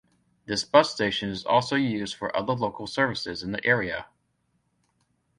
This bus station is also used for other local services in the area.